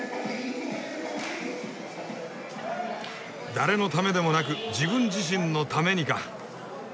誰のためでもなく自分自身のためにか！